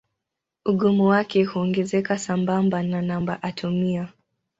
Ugumu wake huongezeka sambamba na namba atomia.